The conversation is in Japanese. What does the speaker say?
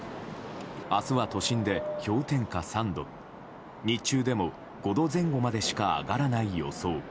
明日は都心で氷点下３度日中でも５度前後までしか上がらない予想。